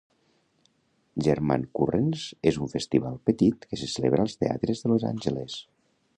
"German Currents" és un festival petit que se celebra als teatres de Los Angeles.